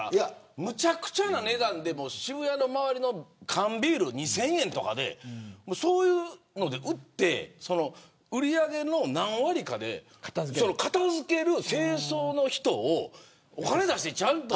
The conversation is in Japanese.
めちゃくちゃな値段で渋谷の周りの缶ビール２０００円とかでそういうので売って売り上げの何割かで片付ける清掃の人をお金を出してちゃんと。